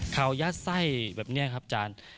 เขาย่าใส่แบบเนี้ยครับจาน